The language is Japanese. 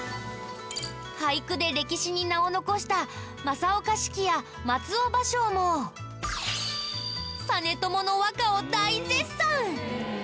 俳句で歴史に名を残した正岡子規や松尾芭蕉も実朝の和歌を大絶賛！